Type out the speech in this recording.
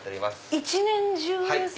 一年中ですか？